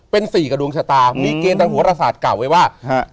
เป็นสี่กับดวงชะตามีเกณฑ์ทางหัวรศาสตร์กล่าวไว้ว่าฮะ